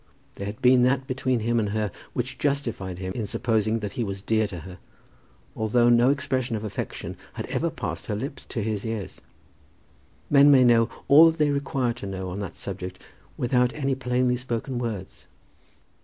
There had been that between him and her which justified him in supposing that he was dear to her, although no expression of affection had ever passed from her lips to his ears. Men may know all that they require to know on that subject without any plainly spoken words.